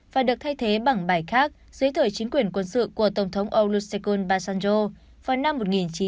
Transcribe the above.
và được thay thế bằng bài khác dưới thời chính quyền quân sự của tổng thống ouseko basanjo vào năm một nghìn chín trăm bảy mươi